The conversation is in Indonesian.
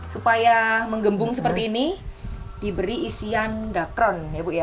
supaya menggembung seperti ini diberi isian dakron ya bu